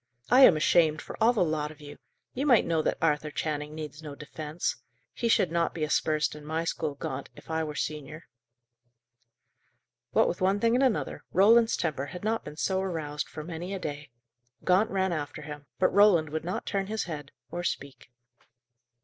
"I am ashamed for all the lot of you! You might know that Arthur Channing needs no defence. He should not be aspersed in my school, Gaunt, if I were senior." What with one thing and another, Roland's temper had not been so aroused for many a day. Gaunt ran after him, but Roland would not turn his head, or speak.